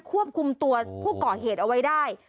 ควบคุมตัวผู้ก่อเหตุเอาไว้ได้